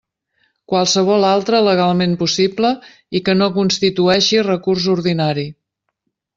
Qualsevol altre legalment possible i que no constitueixi recurs ordinari.